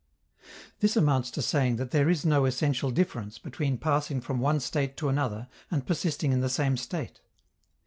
This amounts to saying that there is no essential difference between passing from one state to another and persisting in the same state.